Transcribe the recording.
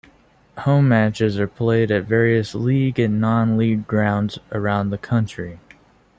Home matches are played at various League and non-league grounds around the country.